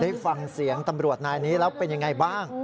ได้ฟังเสียงตำรวจนายนี้แล้วเป็นยังไงบ้าง